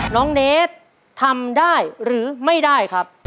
น้องเนสทำได้หรือไม่ได้ครับ